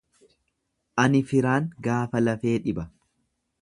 Ani firaan gaafa lafee dhiba.